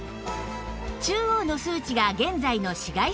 中央の数値が現在の紫外線量